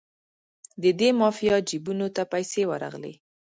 د دې مافیا جیبونو ته پیسې ورغلې.